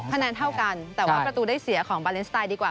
คะแนนเท่ากันแต่ว่าประตูได้เสียของบาเลนสไตล์ดีกว่า